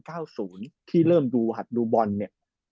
ที่เริ่มดูวะหัดดูบอลเนี่ย